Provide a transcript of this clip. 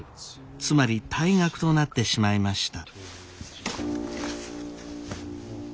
つまり退学となってしまいました。